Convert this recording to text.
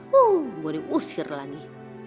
wuh gue diusir lagi